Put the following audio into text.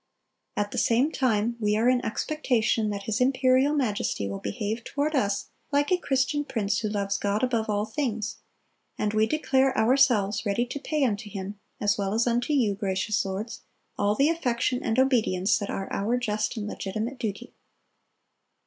"At the same time we are in expectation that his imperial majesty will behave toward us like a Christian prince who loves God above all things; and we declare ourselves ready to pay unto him, as well as unto you, gracious lords, all the affection and obedience that are our just and legitimate duty."